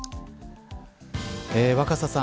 若狭さん